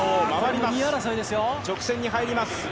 直線に入ります。